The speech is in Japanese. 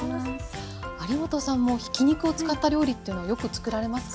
有元さんもひき肉を使った料理というのはよくつくられますか？